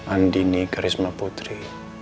andini karisma putri